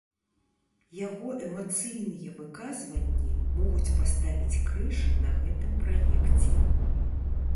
Яго эмацыйныя выказванні могуць паставіць крыж на гэтым праекце.